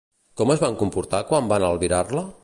Com es van comportar quan van albirar-la?